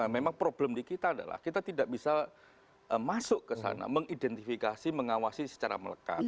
memang problem di kita adalah kita tidak bisa masuk ke sana mengidentifikasi mengawasi secara melekat